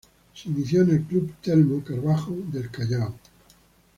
Se inició en el club Telmo Carbajo del Callao.